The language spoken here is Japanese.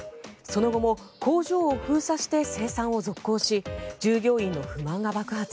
その後も工場を封鎖して生産を続行し従業員の不満が爆発。